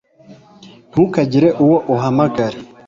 ntukagire uwo uhamagara